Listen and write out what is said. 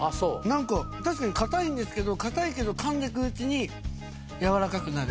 なんか確かに硬いんですけど硬いけどかんでいくうちにやわらかくなる。